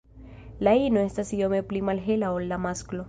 La ino estas iome pli malhela ol la masklo.